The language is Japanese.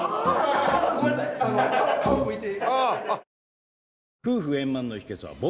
ごめんなさい皮むいて。